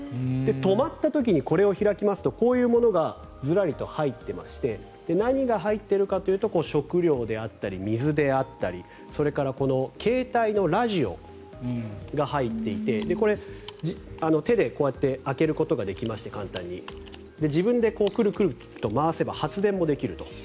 止まった時にこれを開きますとこういうものがずらりと入っていまして何が入っているかというと食料であったり水であったりそれから携帯のラジオが入っていてこれは手でこうやって簡単に開けることができまして自分でクルクルと回せば発電もできると。